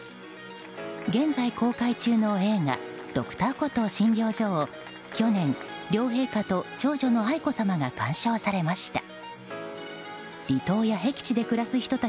現在公開中の映画「Ｄｒ．コトー診療所」を去年、両陛下と長女の愛子さまが鑑賞されました。